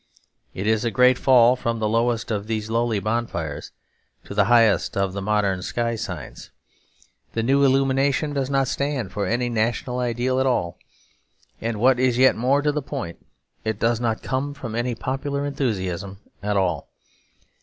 It is a great fall from the lowest of these lowly bonfires to the highest of the modern sky signs. The new illumination does not stand for any national ideal at all; and what is yet more to the point, it does not come from any popular enthusiasm at all.